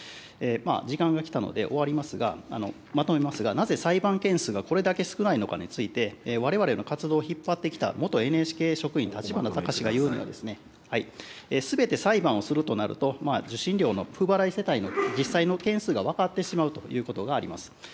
時間が来たので、終わりますが、まとめますが、なぜ裁判件数がこれだけ少ないのかについて、われわれの活動を引っ張ってきた、元ＮＨＫ職員、立花孝志が言うには、すべて裁判をするとなると、受信料の不払い世帯の実際の件数が分かってしまうということがあります。